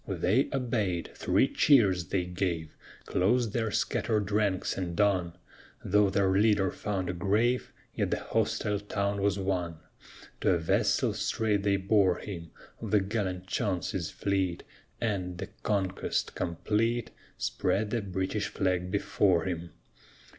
They obeyed. Three cheers they gave, Closed their scattered ranks, and on. Though their leader found a grave, Yet the hostile town was won. To a vessel straight they bore him Of the gallant Chauncey's fleet, And, the conquest complete, Spread the British flag before him.